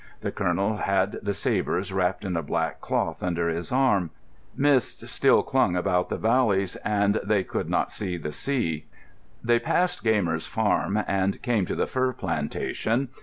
The colonel had the sabres wrapped in a black cloth under his arm. Mists still hung about the valleys, and they could not see the sea. They passed Gaymer's farm and came to the fir plantation.